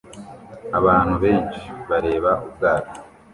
abantu benshi bareba ubwato